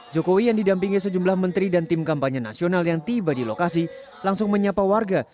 jokowi yang didampingi sejumlah menteri dan tim kampanye nasional yang tiba di lokasi langsung menyapa warga